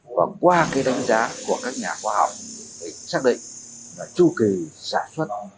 và qua cái đánh giá của các nhà khoa học để xác định là chu kỳ sản xuất